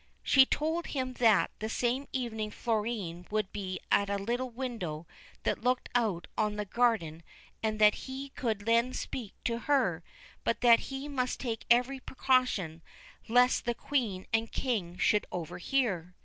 She told him that the same evening Florine would be at a little window that looked out on to the garden and that he could then speak to her, but that he must take every precaution, lest the Queen and King should overhear.